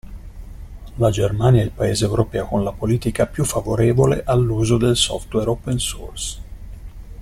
La Germania è il paese europeo con la politica più favorevole all'uso del software open source.